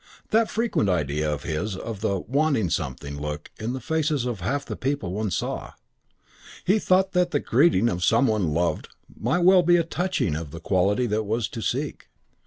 That frequent idea of his of the "wanting something" look in the faces of half the people one saw: he thought that the greeting of some one loved might well be a touching of the quality that was to seek.